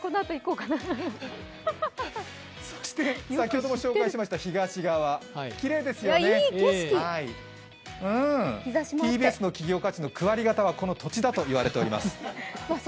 そして先ほども紹介しました東側、きれいですよね、ＴＢＳの企業価値の９割方はこの土地だと言われています。